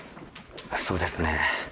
そうですね